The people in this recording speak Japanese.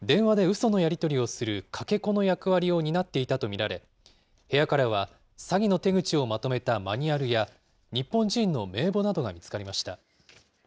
そのやり取りをするかけ子の役割を担っていたと見られ、部屋からは詐欺の手口をまとめたマニュアルや、日本人の名簿などが見つかりました。